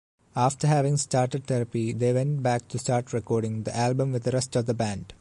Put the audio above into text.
After having started therapy they went back to start recording the album with the rest of the band.